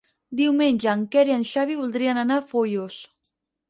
Diumenge en Quer i en Xavi voldrien anar a Foios.